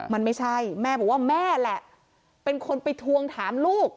มันไม่ใช่แม่บอกว่าแม่แหละเป็นคนไปทวงถามลูก